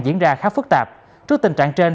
diễn ra khá phức tạp trước tình trạng trên